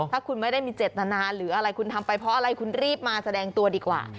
ถ้าคุณไม่ได้มีเจตนาหรืออะไรคุณทำไปเพราะอะไรคุณรีบมาแสดงตัวดีกว่า